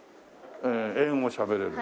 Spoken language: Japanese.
英語もしゃべれる。